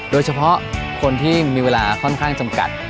โดยเฉพาะคนที่มีเวลาค่อนข้างจำกัด